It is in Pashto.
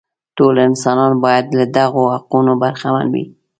ټول انسانان باید له دغو حقونو برخمن وي.